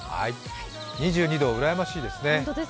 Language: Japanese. ２２度、うらやましいですね。